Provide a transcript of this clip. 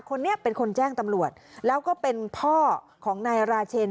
คนนี้เป็นคนแจ้งตำรวจแล้วก็เป็นพ่อของนายราเชน